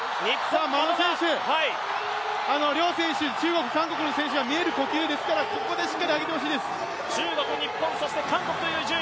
眞野選手、両選手、中国と韓国の選手が見える呼吸ですからここでしっかり上げてほしいです。